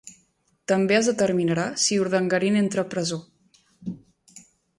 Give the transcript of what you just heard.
També es determinarà si Urdangarin entra a presó.